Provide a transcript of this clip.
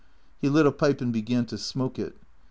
He lit a pipe and began to smoke it.